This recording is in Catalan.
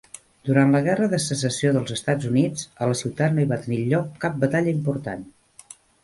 Durant la guerra de Secessió dels Estats Units, a la ciutat no hi va tenir lloc cap batalla important.